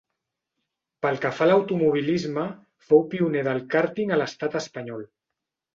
Pel que fa a l'automobilisme, fou pioner del kàrting a l'estat espanyol.